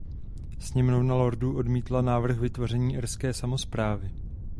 Sněmovna lordů odmítla návrh vytvoření irské samosprávy.